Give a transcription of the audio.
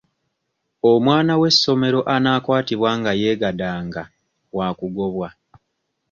Omwana w'essomero anaakwatibwa nga yeegadanga wakugobwa.